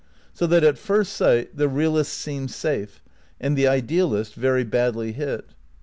So that at first sight the realist seems safe and the idealist very badly hit.